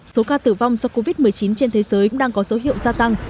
số ca tử vong do covid một mươi chín trên thế giới cũng đang có dấu hiệu gia tăng